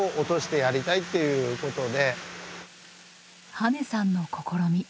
羽根さんの試み。